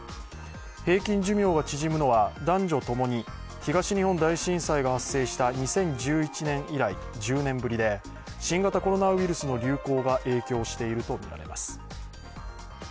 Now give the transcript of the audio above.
平均寿命が縮むのは男女ともに東日本大震災が発生した２０１１年以来１０年ぶりで新型コロナウイルスの流行が影響しているとみられます。